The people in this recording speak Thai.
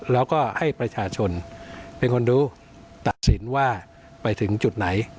แล้วก็ให้ประชาชนเป็นคนรู้ตัดสินว่าไปถึงจุดไหน